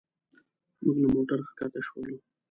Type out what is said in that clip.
موږ له موټر ښکته شولو.